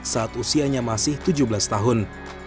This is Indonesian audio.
saat usianya masih tujuh belas tahun